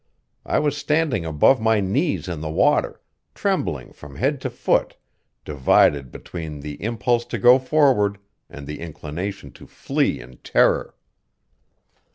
I was standing above my knees in the water, trembling from head to foot, divided between the impulse to go forward and the inclination to flee in terror.